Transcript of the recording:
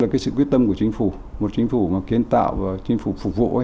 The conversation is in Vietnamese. cái sự quyết tâm của chính phủ một chính phủ kiến tạo và chính phủ phục vụ